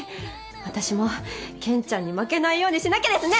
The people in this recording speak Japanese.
私も賢ちゃんに負けないようにしなきゃですね！